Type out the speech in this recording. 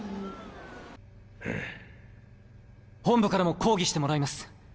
本部からも抗議してもらいます。